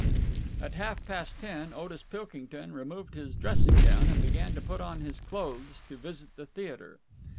At half past ten, Otis Pilkington removed his dressing gown and began to put on his clothes to visit the theatre.